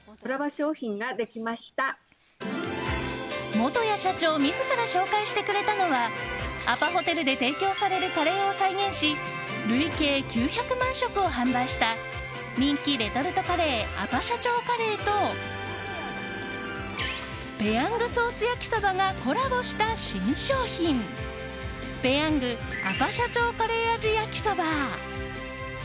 元谷社長自ら紹介してくれたのはアパホテルで提供されるカレーを再現し累計９００万食を販売した人気レトルトカレーアパ社長カレーとぺヤングソースやきそばがコラボした新商品ぺヤングアパ社長カレー味やきそば！